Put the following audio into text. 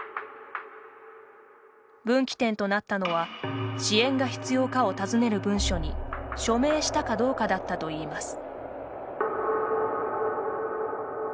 分岐点となったのは支援が必要かを尋ねる文書に署名したかどうかだったといいます。